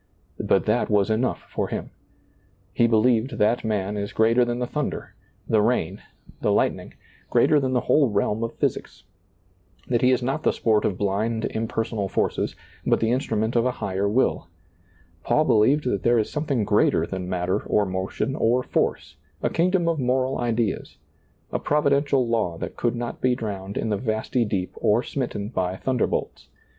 But that was enough for him. He believed that man is greater than the thunder, the rain, the lightning, greater than the whole realm of physics ; that he is not the sport of blind, impersonal forces, but the instrument of a higher will, Paul believed ^lailizccbvGoOgle PAUL ABOARD 107 that there is something greater than matter or motion or force, a kingdom of moral ideas, a providential law that could not be drowned in the vasty deep or smitten by thunderbolts.